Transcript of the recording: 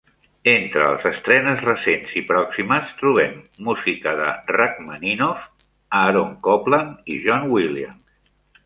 Entre les estrenes recents i pròximes trobem música de Rachmaninoff, Aaron Copland i John Williams.